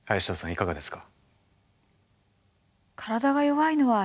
いかがですか？